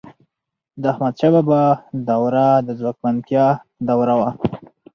د احمدشاه بابا دور د ځواکمنتیا دور و.